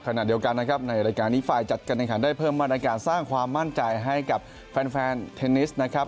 ขณะเดียวกันนะครับในรายการนี้ฝ่ายจัดการแข่งขันได้เพิ่มมาตรการสร้างความมั่นใจให้กับแฟนเทนนิสนะครับ